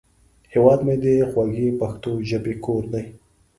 هیواد مې د خوږې پښتو ژبې کور دی